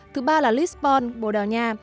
thứ ba là lisbon bồ đào nha